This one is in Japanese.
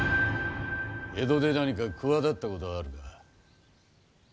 江戸で何か企てたことはあるか。